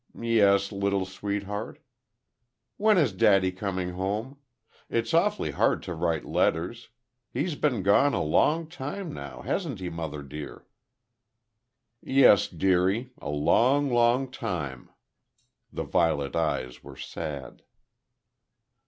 "Yes, little sweetheart?" "When is a daddy coming home? It's awfully hard to write letters. He's been gone a long time now, hasn't he, mother dear?" "Yes, dearie.... A long, long time." The violet eyes were sad.